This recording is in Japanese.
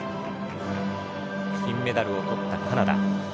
金メダルをとったカナダ。